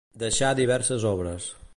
Deixà diverses obres.